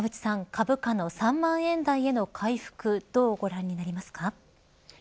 株価の３万円台への回復どうご覧になりますか。